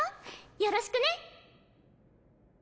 よろしくね！